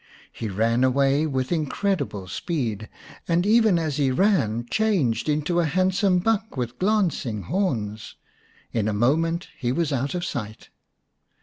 He ran away with incredible speed, and even as he ran changed into a handsome buck with glancing horns. In a moment he was out of sight.